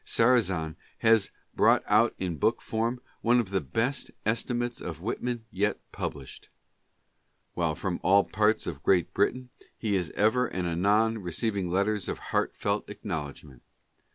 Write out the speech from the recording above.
Sarrazin has brought out in book form one of the best estimates of Whitman yet published ; while from all parts of Great Britain, he is ever and anon receiving letters of heartfelt acknowledg ment.